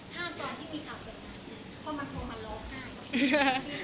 ห้ามตอนที่มีขาดเกิดพ่อมันโทรมาร้องไห้